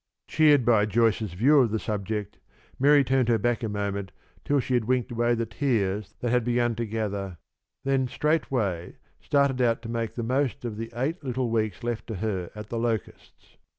Cheered by Joyce's view of the subject, Mary turned her back a moment till she had winked away the tears that had begun to gather, then straightway started out to make the most of the eight little weeks left to her at The Locusts.